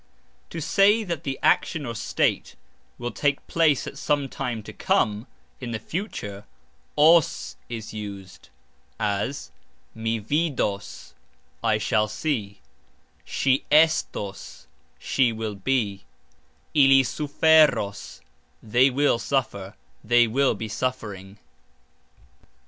To say that the action or state will take place at some time to come, in the future, " os" is used, as, "Mi vidos", I shall see; "Sxi estos", She will be; "Ili suferos", They will suffer, they will be suffering.